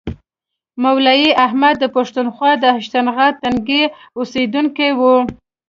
مولوي احمد د پښتونخوا د هشتنغر تنګي اوسیدونکی و.